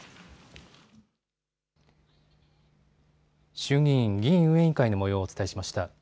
衆議院議院運営委員会のもようをお伝えしました。